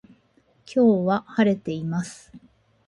今日は晴れています